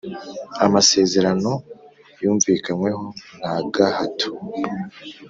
amasezerano yumvikanyweho nta gahato